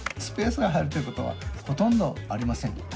スペースが入るということはほとんどありません。